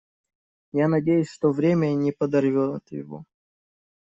Я надеюсь, что время не подорвет его.